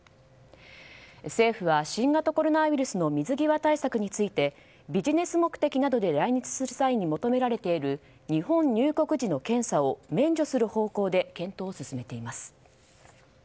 政府は新型コロナウイルスの水際対策についてビジネス目的などで来日する際に求められている日本入国時の検査を免除する方向で検討を進めています。